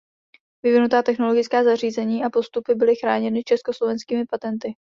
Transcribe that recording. Vyvinutá technologická zařízení a postupy byly chráněny československými patenty.